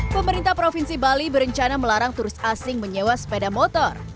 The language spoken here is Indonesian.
pemerintah provinsi bali berencana melarang turis asing menyewa sepeda motor